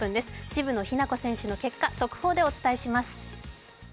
渋野日向子選手の結果速報でお伝えします。